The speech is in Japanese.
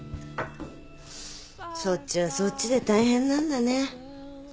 そっちはそっちで大変なんだね。